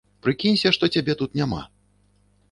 Прыкінься, што цябе тут няма.